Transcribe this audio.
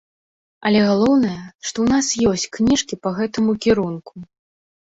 Але галоўнае, што ў нас ёсць кніжкі па гэтаму кірунку.